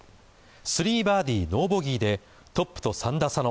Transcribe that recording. ３バーディー、ノーボギーでトップと３打差の